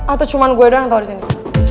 atau cuma gue doang yang tau disini